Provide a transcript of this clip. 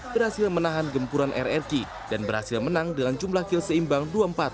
berhasil menahan gempuran rrq dan berhasil menang dengan jumlah kill seimbang dua puluh empat dua puluh empat